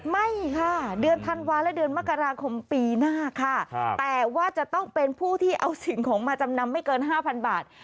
ไม่ค่ะเดือนธันวาและเดือนมกราคมปีหน้าค่ะแต่ว่าจะต้องเป็นผู้ที่เอาสิ่งของมาจำนำไม่เกิน๕๐๐บาท